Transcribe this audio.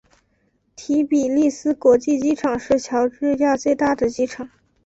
提比利斯国际机场是乔治亚最大的机场。